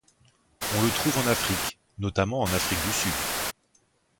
On le trouve en Afrique, notamment en Afrique du Sud.